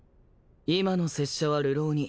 今の拙者は流浪人。